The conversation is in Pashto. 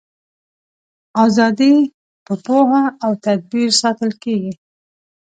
ازادي په پوهه او تدبیر ساتل کیږي.